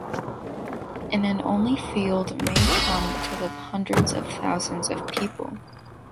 In an only field may come to live hundreds of thousands of people.